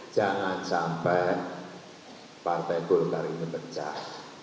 jangan sampai partai golkar ini pecah